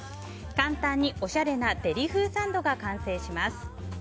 簡単におしゃれなデリ風サンドが完成します。